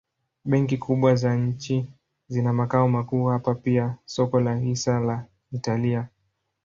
Benki kubwa za nchi zina makao makuu hapa pia soko la hisa la Italia.